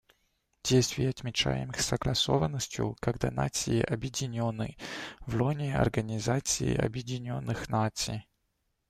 Действий, отмечаемых согласованностью, — когда нации объединены в лоне Организации Объединенных Наций.